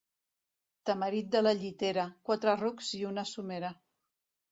Tamarit de la Llitera, quatre rucs i una somera.